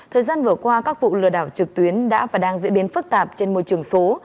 thời gian vừa qua các vụ lừa đảo trực tuyến đã và đang diễn biến phức tạp trên môi trường số